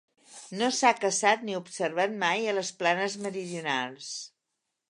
No s'ha caçat ni observat mai a les planes meridionals.